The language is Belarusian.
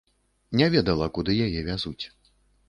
Не ведала, куды яе вязуць.